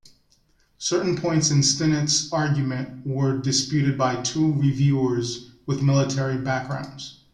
Certain points in Stinnett's argument were disputed by two reviewers with military backgrounds.